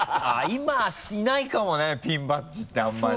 今いないかもねピンバッジってあんまり。